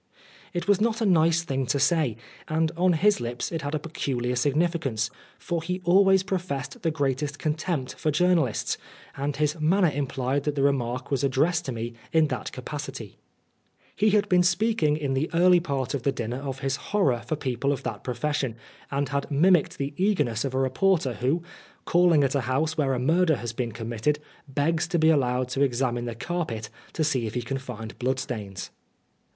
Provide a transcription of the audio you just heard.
It was not a nice thing to say, and on his lips it had a peculiar significance, for he always professed the greatest contempt for journalists, and his manner implied that the remark was addressed to me in that capacity. He had 117 Oscar Wilde been speaking in the early part of the dinner of his horror for people of that profession, and had mimicked the eagerness of a reporter who, calling at a house where a murder has been committed, begs to be allowed to examine the carpet to see if he can find blood stains.